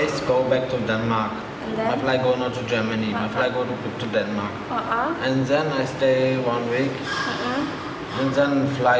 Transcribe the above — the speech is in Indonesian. sebenarnya dia akan berjalan ke jerman